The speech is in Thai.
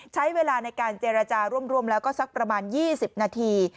ใช้เวลาในการเจรจาร่วมแล้วก็สักประมาณ๒๐นาที